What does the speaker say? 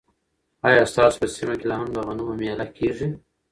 ایا ستاسو په سیمه کې لا هم د غنمو مېله کیږي؟